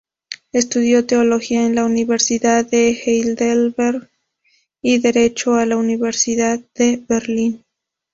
Estudió teología en la Universidad de Heidelberg y derecho en la Universidad de Berlín.